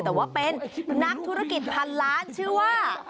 แต่ว่าเป็นนักธุรกิจพันล้านชื่อว่า